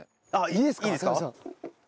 いいですか？